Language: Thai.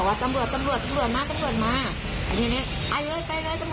อะเหรอ